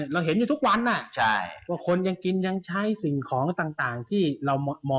เราไม่เห็นนะ